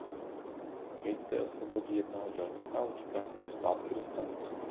Kate zde osvobodí jednoho dělníka a utíká s ním zpátky do stanice.